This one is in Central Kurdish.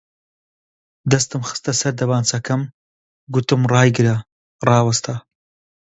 دەستم خستە سەر دەمانچەکەم، گوتم ڕایگرە! ڕاوەستا